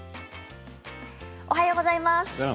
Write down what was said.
おはようございます。